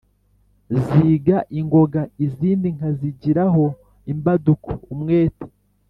Ziga ingoga: Izindi nka zigiraho imbaduko, umwete